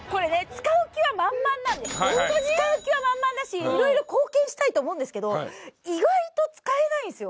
使う気は満々だし色々貢献したいと思うんですけど意外と使えないんですよ。